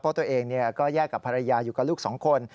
เพราะตัวเองก็แยกกับภรรยาอยู่กับลูกสองคน